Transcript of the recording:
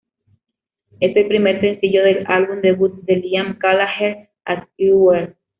Es el primer sencillo del álbum debut de Liam Gallagher, As You Were.